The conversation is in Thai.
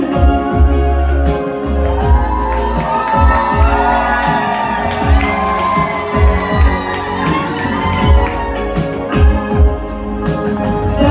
มาเจอกับฉัน